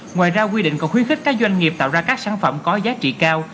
ngoài ra quy định còn khuyến khích các doanh nghiệp tạo ra các sản phẩm có giá trị cao